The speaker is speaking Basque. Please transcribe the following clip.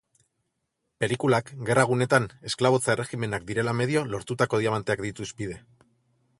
Pelikulak, gerra gunetan, esklabotza erregimenak direla medio lortutako diamanteak ditu hizpide.